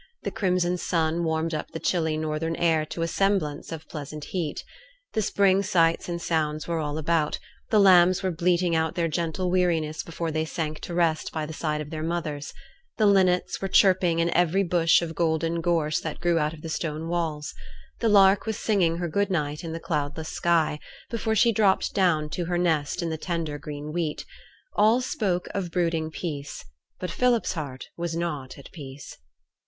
The crimson sun warmed up the chilly northern air to a semblance of pleasant heat. The spring sights and sounds were all about; the lambs were bleating out their gentle weariness before they sank to rest by the side of their mothers; the linnets were chirping in every bush of golden gorse that grew out of the stone walls; the lark was singing her good night in the cloudless sky, before she dropped down to her nest in the tender green wheat; all spoke of brooding peace but Philip's heart was not at peace.